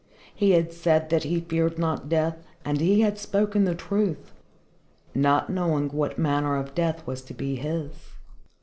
He had said that he feared not death, and he had spoken the truth, not knowing what manner of death was to be his.